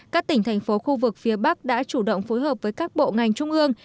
các tỉnh thành phố khu vực phía bắc đã chủ động phối hợp với các bộ ngành trung ương